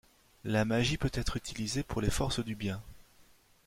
La magie peut être utilisée pour les forces du bien.